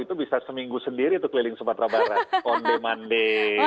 itu bisa seminggu sendiri itu keliling sumatera barat onde mande